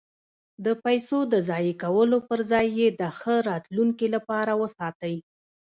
د پیسو د ضایع کولو پرځای یې د ښه راتلونکي لپاره وساتئ.